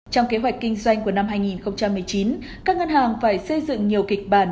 trong kế hoạch kinh doanh của năm hai nghìn một mươi chín các ngân hàng phải xây dựng nhiều kịch bản